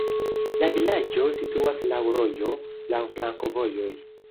La vilaĝo situas laŭ rojo, laŭ flankovojoj.